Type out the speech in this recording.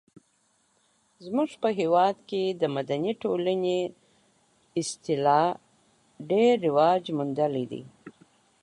زموږ په هېواد کې د مدني ټولنې اصطلاح ډیر رواج موندلی دی.